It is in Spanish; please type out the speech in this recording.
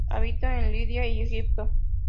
Habita en Libia y Egipto.